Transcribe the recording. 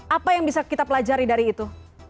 apa yang bisa kita pelajari dari itu